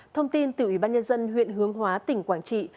thông tin từ ủy ban nhân dân huyện hướng hóa tỉnh quảng trị